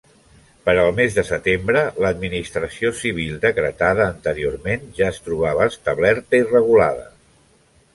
Per al mes de setembre, l'administració civil decretada anteriorment ja es trobava establerta i regulada.